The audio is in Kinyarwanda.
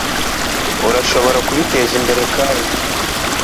urashobora kubitezimbere kandi